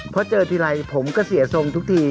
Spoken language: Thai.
เพราะเจอทีไรผมก็เสียทรงทุกที